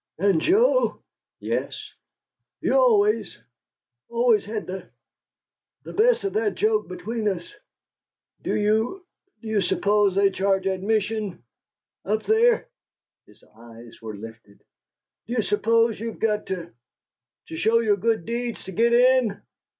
And, Joe " "Yes?" "You always always had the the best of that joke between us. Do you you suppose they charge admission up there?" His eyes were lifted. "Do you suppose you've got to to show your good deeds to git in?"